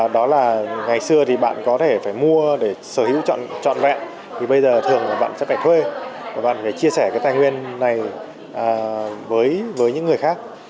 đó là ngày xưa thì bạn có thể phải mua để sở hữu trọn trọn vẹn thì bây giờ thường là bạn sẽ phải thuê và bạn phải chia sẻ cái tài nguyên này với những người khác